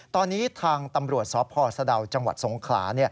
ตอนนี้ทางตำรวจสพสะดาวจังหวัดสงขลา